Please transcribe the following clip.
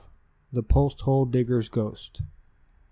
THE POST HOLE DIGGER'S GHOST.